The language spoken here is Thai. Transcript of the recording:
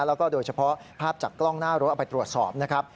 แล้วก็โดยเฉพาะภาพจากกล้องหน้ารถเอาไปตรวจสอบนะครับ